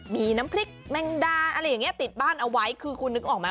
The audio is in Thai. มีน้ำพริกแมงดาอะไรอย่างเงี้ติดบ้านเอาไว้คือคุณนึกออกไหม